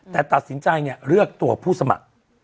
แต่ตัดสินใจเลือกตัวผู้สมัคร